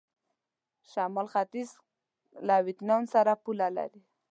شمال ختيځ کې له ویتنام سره پوله لري.